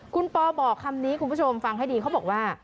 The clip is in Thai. คุณปอบอกคำนี้คุณผู้ชมฟังให้ดีเขาบอกว่า